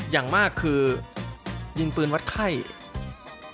อย่างมากคือยิงปืนวัดไข้เจลแอลกอฮอล์